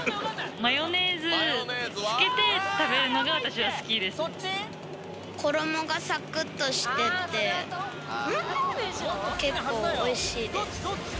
マヨネーズつけて食べるのが衣がさくっとしてて、結構おいしいです。